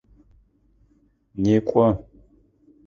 Некӏо!